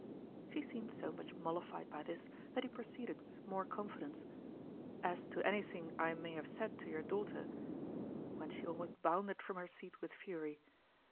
She seemed so much mollified by this, that he proceeded with more confidence :" As to anything I may have said to your daughter " when she almost bounded from her seat with fury.